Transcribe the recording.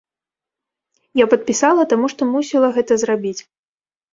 Я падпісала, таму што мусіла гэта зрабіць.